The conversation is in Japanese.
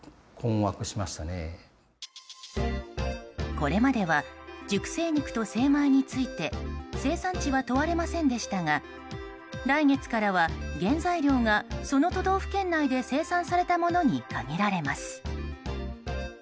これまでは熟成肉と精米について生産地は問われませんでしたが来月からは、原材料がその都道府県内で生産されたものに限られます。